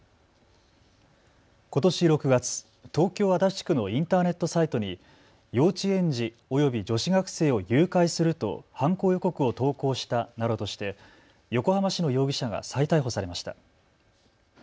ことし６月、東京足立区のインターネットサイトに幼稚園児および女子学生を誘拐すると犯行予告を投稿したなどとして横浜市の容疑者が再逮捕されました。